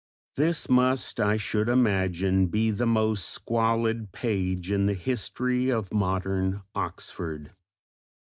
This must I should imagine be the most squalid page in the history of modern Oxford.